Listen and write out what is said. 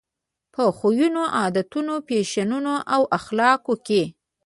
په خویونو، عادتونو، فیشنونو او اخلاقو کې.